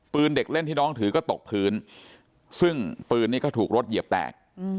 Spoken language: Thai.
เด็กเล่นที่น้องถือก็ตกพื้นซึ่งปืนนี้ก็ถูกรถเหยียบแตก